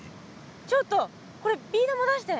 ちょっとこれビー玉出して。